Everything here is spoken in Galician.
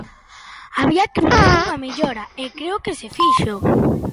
Había que facer unha mellora e creo que se fixo.